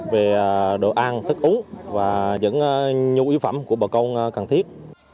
về đồ ăn thức uống và những nhu yếu phẩm của bà con cần thiết